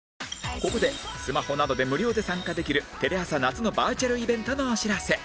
ここでスマホなどで無料で参加できるテレ朝夏のバーチャルイベントのお知らせ